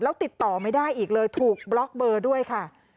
แล้วติดต่อไม่ได้อีกเลยถูกบล็อกเบอร์ด้วยค่ะ